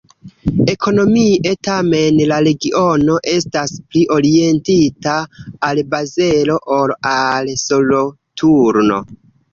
Ekonomie tamen la regiono estas pli orientita al Bazelo ol al Soloturno.